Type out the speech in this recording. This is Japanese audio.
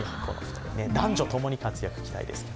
男女ともに活躍に期待です。